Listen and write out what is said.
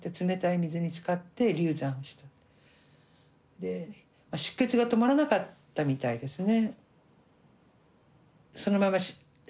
で出血が止まらなかったみたいですね。